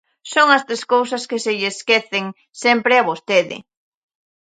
Son as tres cousas que se lle esquecen sempre a vostede.